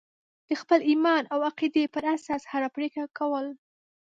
د خپل ایمان او عقیدې پر اساس هره پرېکړه کول.